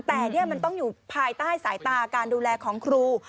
แต่นี่มันต้องอยู่ภายใต้สายตาการดูแลของครู